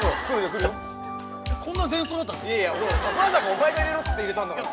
お前が入れろって入れたんだから。